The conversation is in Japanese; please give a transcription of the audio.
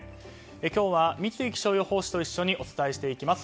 今日は三井気象予報士と一緒にお伝えしていきます。